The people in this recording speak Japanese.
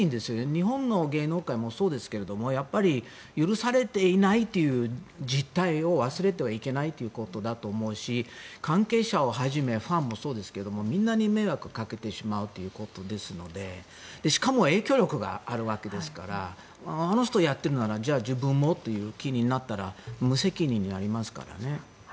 日本の芸能界もそうですけど許されていないという実態を忘れてはいけないということだと思うし関係者をはじめファンもそうですがみんなに迷惑をかけてしまうということですのでしかも影響力があるわけですからあの人、やってるならじゃあ自分もという気になったら無責任になりますからね。